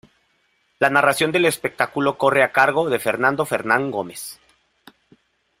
La narración del espectáculo corre a cargo de Fernando Fernán Gómez.